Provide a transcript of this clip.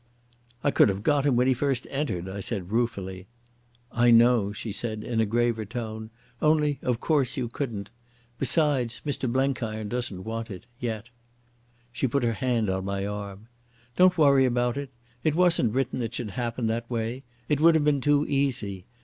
"I could have got him when he first entered," I said ruefully. "I know," she said in a graver tone. "Only of course you couldn't.... Besides, Mr Blenkiron doesn't want it—yet." She put her hand on my arm. "Don't worry about it. It wasn't written it should happen that way. It would have been too easy.